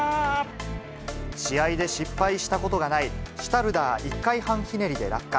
試合で失敗したことがない、シュタルダー１回半ひねりで落下。